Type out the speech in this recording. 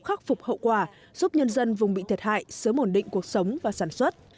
khắc phục hậu quả giúp nhân dân vùng bị thiệt hại sớm ổn định cuộc sống và sản xuất